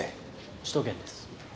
首都圏です。